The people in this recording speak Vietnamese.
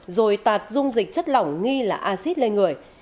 rồi tạt dung dịch chất lỏng nghi là acid lên người